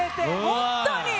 本当に。